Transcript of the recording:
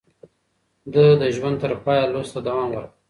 ده د ژوند تر پايه لوست ته دوام ورکړ.